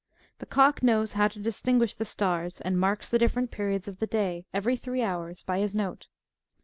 The cock knows how to distinguish the stars, and marks the difi'erent periods of the day, every three hours, by his note.